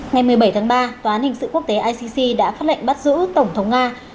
ngày một mươi bảy tháng ba tòa án hình sự quốc tế icc đã phát lệnh bắt giữ tổng thống nga